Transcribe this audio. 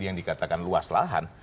yang dikatakan luas lahan